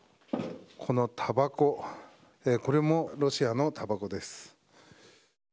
たばこもロシアのたばこです。